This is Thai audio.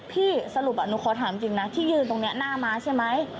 สรุปหนูขอถามจริงนะที่ยืนตรงนี้หน้าม้าใช่ไหม